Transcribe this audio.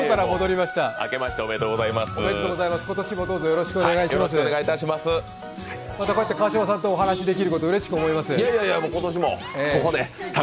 またこうやって川島さんとお話しできることうれしく